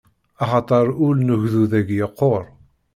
Axaṭer ul n ugdud-agi yeqqur!